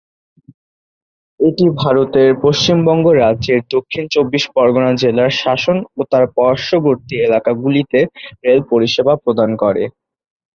এটি ভারতের পশ্চিমবঙ্গ রাজ্যের দক্ষিণ চব্বিশ পরগনা জেলার শাসন ও তার পার্শ্ববর্তী এলাকাগুলিতে রেল পরিষেবা প্রদান করে।